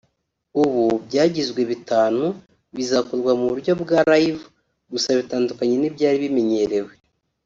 ubu byagizwe bitanu bizakorwa mu buryo bwa live gusa bitandukanye n’ibyari bimenyerewe